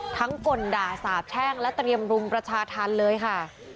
กลด่าสาบแช่งและเตรียมรุมประชาธรรมเลยค่ะ